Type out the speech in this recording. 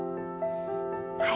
はい。